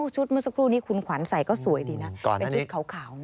ชุดเมื่อสักครู่นี้คุณขวัญใส่ก็สวยดีนะเป็นชุดขาวนะ